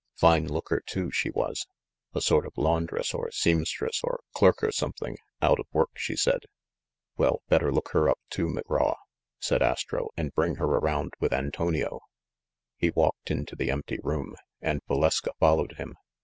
Fine looker, too, she was. A sort of laundress or seam stress or clerk or something ; out of work, she said." "Well, better look her up too, McGraw," said Astro, "and bring her around with' Antonio." He walked into the empty room, and Valeska fol lowed him.